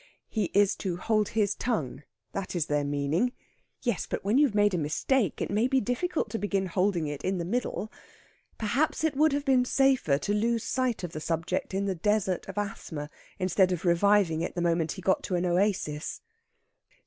He is to hold his tongue that is their meaning. Yes, but when you have made a mistake, it may be difficult to begin holding it in the middle. Perhaps it would have been safer to lose sight of the subject in the desert of asthma, instead of reviving it the moment he got to an oasis.